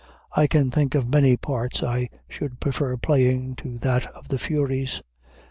I can think of many parts I should prefer playing to that of the Furies.